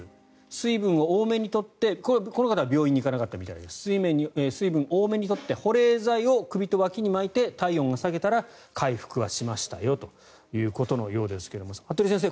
水分を多めに取ってこの方は病院に行かなかったみたいですが水分を多めに取って保冷剤を首とわきに巻いて体温を下げたら回復はしましたよということのようですが服部先生